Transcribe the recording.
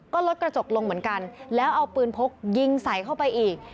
ก็ลดกระจกลงเหมือนกันแล้วเอาปืนพกยิงใส่เข้าไปอีก